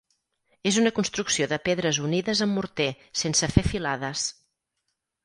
És una construcció de pedres unides amb morter sense fer filades.